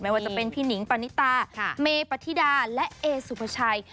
ว่าจะเป็นพี่หนิงปณิตาเมปฏิดาและเอสุภาชัย